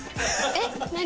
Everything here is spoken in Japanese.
えっ何？